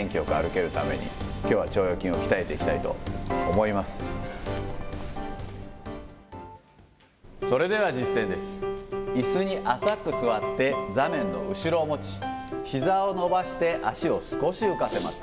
いすに浅く座って、座面の後ろを持ち、ひざを伸ばして脚を少し浮かせます。